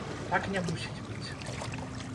Так не мусіць быць.